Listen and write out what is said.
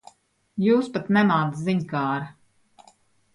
Jūs pat nemāc ziņkāre.